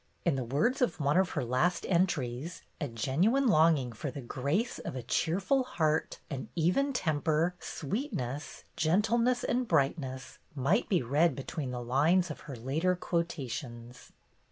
In the words of one of her last entries, a genuine longing for "the grace of a cheerful heart, an even temper, sweetness, gentleness, and brightness," might be read between the lines of her later quotations.